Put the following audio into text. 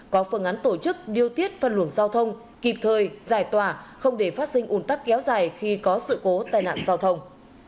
có phương án tổ chức điều tiết phân luận giao thông kịp thời giải tỏa không để phát sinh ủn tắc kéo dài khi có sự cố tai nạn giao thông